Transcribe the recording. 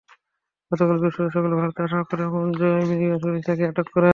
গতকাল বৃহস্পতিবার সকালে ভারতের আসামের করিমগঞ্জ ইমিগ্রেশন পুলিশ তাঁকে আটক করে।